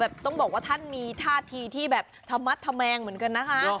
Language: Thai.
ต้องบอกว่าท่านมีท่าทีที่แบบธมัดธแมงเหมือนกันนะคะ